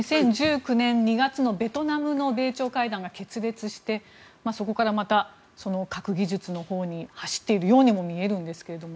２０１９年２月のベトナムの米朝会談が決裂してそこからまた核技術の方向に走っているようにも見えるんですが。